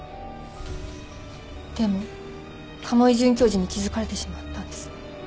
でも賀茂井准教授に気づかれてしまったんです。